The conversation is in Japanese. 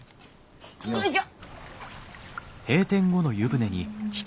よいしょ。